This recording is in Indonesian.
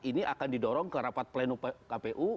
ini akan didorong ke rapat pleno kpu